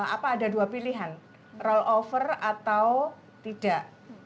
apa ada dua pilihan rollover atau tidak